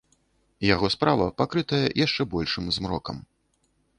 Яго справа пакрытая яшчэ большым змрокам.